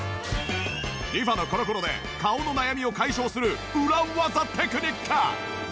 リファのコロコロで顔の悩みを解消する裏技テクニック！